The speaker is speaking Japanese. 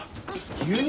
牛乳？